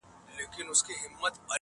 هغه چي ګرځی سوداګر دی په ونه غولیږی!